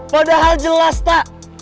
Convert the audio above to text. padahal jelas ta